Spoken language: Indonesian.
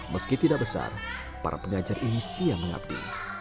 meski tidak besar para pengajar ini setia mengabdi